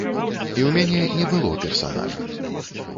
І ў мяне не было персанажа.